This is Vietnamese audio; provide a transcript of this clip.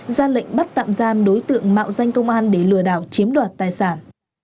ra lệnh bắt tạm giam đối tượng mạo danh công an để lừa đảo chiếm đoạt tài sản